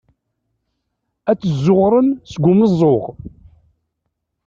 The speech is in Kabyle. Ad t-zzuɣren seg umeẓẓuɣ.